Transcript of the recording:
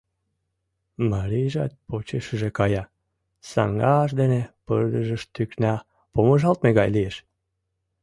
Марийжат почешыже кая — саҥгаж дене пырдыжыш тӱкна, помыжалтме гай лиеш...